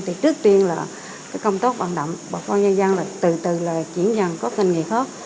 thì trước tiên là công tốt bằng đậm bà con nhân dân lại từ từ là chuyển dần có kinh nghiệm khác